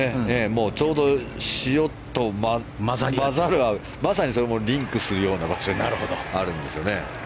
ちょうど潮と混ざるまさに、それもリンクスというような場所にあるんですよね。